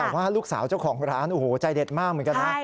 แต่ว่าลูกสาวเจ้าของร้านโอ้โหใจเด็ดมากเหมือนกันนะ